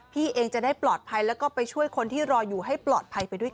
พี่เองจะได้ปลอดภัยแล้วก็ไปช่วยคนที่รออยู่ให้ปลอดภัยไปด้วยกัน